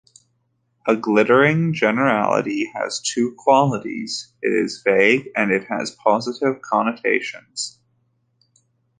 A glittering generality has two qualities- it is vague and it has positive connotations.